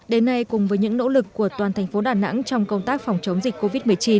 đến nay cùng với những nỗ lực của toàn thành phố đà nẵng trong công tác phòng chống dịch covid một mươi chín